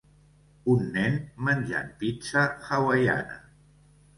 Un nen menjant pizza hawaiana